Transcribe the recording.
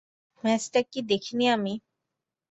ম্যাচটা কি দেখিনি আমি?